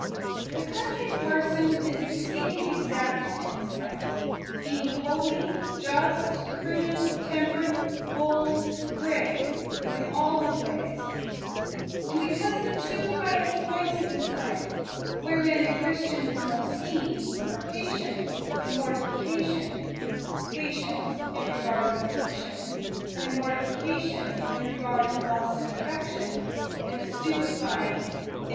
The Country Parson is exceeding exact in his life ; being holy, just, prudent, temperate, bold, grave, in all his ways. And because the two highest points of life, wherein a Christian is most seen, are patience, and mor tification ; patience in regard of afflictions, mortification in regard of lusts and affections, and the stupifying and 10 THE COUNTRY PARSON.